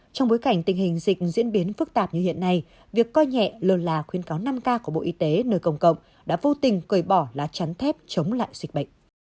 trong bối cảnh tình hình dịch diễn biến phức tạp như hiện nay việc coi nhẹ lơ là khuyến cáo năm k của bộ y tế nơi công cộng đã vô tình cởi bỏ lá chắn thép chống lại dịch bệnh